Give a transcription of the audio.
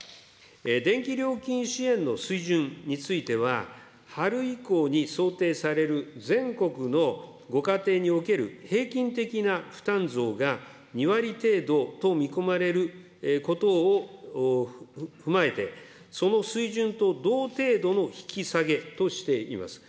電気料金支援の水準については、春以降に想定される全国のご家庭における平均的な負担増が２割程度と見込まれることを踏まえて、その水準と同程度の引き下げとしています。